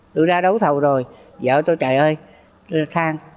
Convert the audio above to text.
tôi ra đấu thầu rồi vợ tôi trời ơi thang